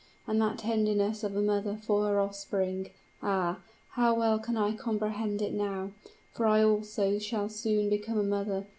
And that tenderness of a mother for her offspring, ah! how well can I comprehend it now; for I also shall soon become a mother.